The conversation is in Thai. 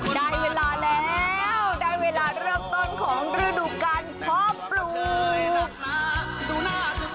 ได้เวลาแล้วได้เวลาเริ่มต้นของภาพปลูก